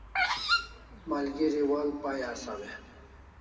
Malgeri wa'al pai asaw e?